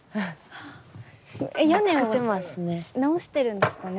屋根を直しているんですかね？